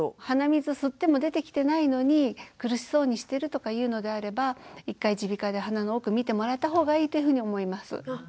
鼻水吸っても出てきてないのに苦しそうにしてるとかいうのであれば一回耳鼻科で鼻の奥診てもらった方がいいというふうに思います。